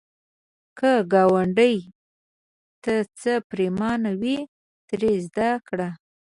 که ګاونډي ته څه پرېمانه وي، ترې زده کړه